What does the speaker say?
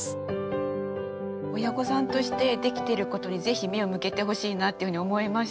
親御さんとしてできてることにぜひ目を向けてほしいなっていうふうに思いました。